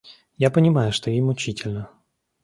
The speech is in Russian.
Я понимаю, что ей мучительно.